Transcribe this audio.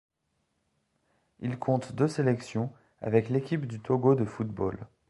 Il compte deux sélections avec l'équipe du Togo de football.